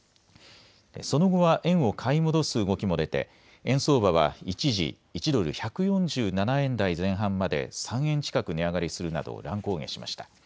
その後は円を買い戻す動きも出て円相場は一時、１ドル１４７円台前半まで３円近く値上がりするなど乱高下しました。